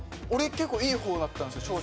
俺結構いい方だったんですよ